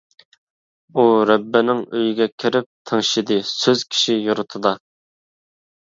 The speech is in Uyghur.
ئۇ رەببىنىڭ ئۆيىگە كىرىپ تىڭشىدى سۆز كىشى يۇرتىدا.